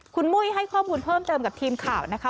คุณมุ้ยให้ข้อมูลเพิ่มเติมกับทีมข่าวนะคะ